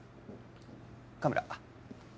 カメラ俺？